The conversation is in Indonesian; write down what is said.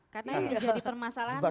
karena yang menjadi permasalahannya adalah